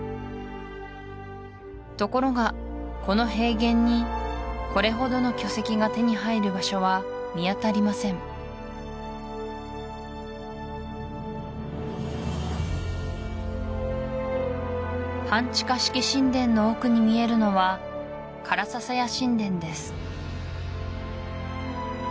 ところがこの平原にこれほどの巨石が手に入る場所は見当たりません半地下式神殿の奥に見えるのはカラササヤ神殿です